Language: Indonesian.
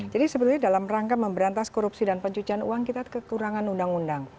jadi sebetulnya dalam rangka memberantas korupsi dan pencucian uang kita kekurangan undang undang